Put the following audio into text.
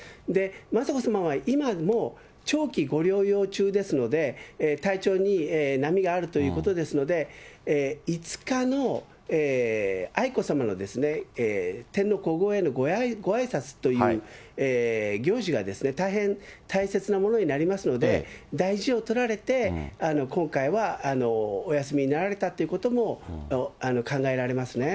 雅子さまは今も長期ご療養中ですので、体調に波があるということですので、５日の愛子さまの天皇皇后へのごあいさつという行事が、大変大切なものになりますので、大事を取られて今回はお休みになられたということも考えられます